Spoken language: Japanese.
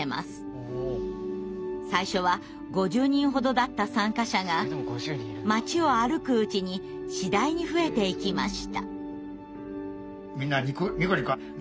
最初は５０人ほどだった参加者が街を歩くうちに次第に増えていきました。